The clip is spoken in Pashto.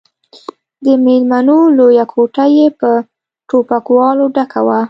د ميلمنو لويه کوټه يې په ټوپکوالو ډکه وه.